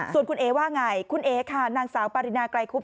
ส่วนคุณเอ๋ว่าไงคุณเอ๋ค่ะนางสาวปารินาไกรคุบ